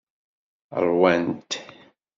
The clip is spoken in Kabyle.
Ṛwant.